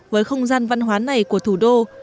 với không gian văn hóa này của thủ đô